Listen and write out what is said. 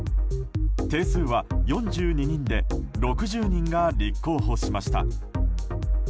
定数は４２人で６０人が立候補しました。